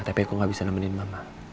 tapi aku gak bisa nemenin mama